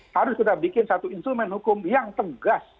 harus sudah bikin satu instrumen hukum yang tegas